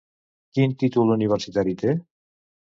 Quin títol universitari té?